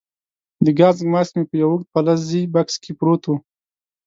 د ګاز ماسک مې په یو اوږد فلزي بکس کې پروت وو.